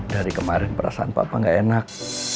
dari kemarin perasaan papa gak enak